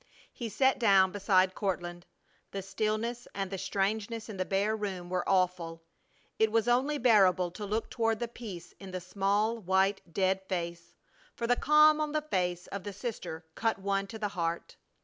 He sat down beside Courtland. The stillness and the strangeness in the bare room were awful. It was only bearable to look toward the peace in the small, white, dead face; for the calm on the face of the sister cut one to the heart.